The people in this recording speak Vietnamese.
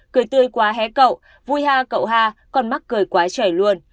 cười tươi quá hé cậu vui ha cậu ha con mắc cười quá trời luôn